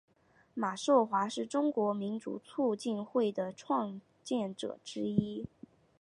马寿华是中国民主促进会的创建者之一。